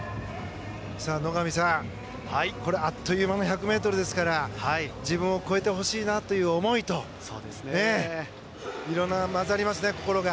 野上さん、あっという間の１００ｍですから自分を超えてほしいなという思いといろんな混ざりますね、心が。